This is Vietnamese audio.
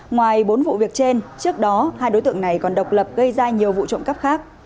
ngoài bốn vụ việc trên trước đó hai đối tượng này còn độc lập gây ra nhiều vụ trộm cắp khác